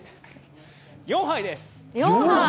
４杯です！